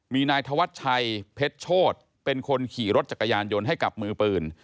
มีนายธวัชชัยเพชรโชธเป็นคนขี่รถจักรยานยนต์ให้กับมือปืน